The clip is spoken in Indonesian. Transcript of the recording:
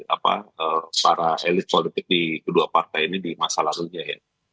apa para elit politik di kedua partai ini di masa lalunya ya